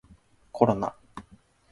コロナ